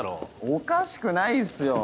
おかしくないっすよ。